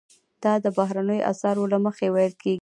دا د بهرنیو اسعارو له مخې ویل کیږي.